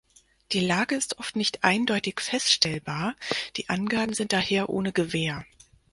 Die Lage ist oft nicht eindeutig feststellbar, die Angaben sind daher ohne Gewähr.